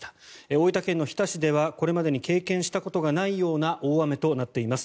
大分県の日田市ではこれまでに経験したことがないような大雨となっています。